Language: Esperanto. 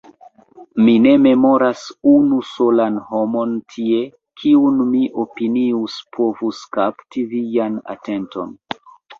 Mi ne memoras unu solan homon tie, kiun mi opinius povus kapti vian atenton.